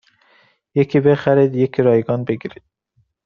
یکی بخرید یکی رایگان بگیرید